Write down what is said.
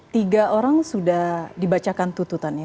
tiga orang sudah dibacakan tututannya